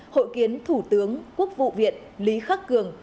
hội kiến thủ tướng quốc vụ viện lý khắc cường